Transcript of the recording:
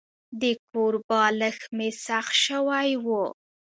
د کور بالښت مې سخت شوی و.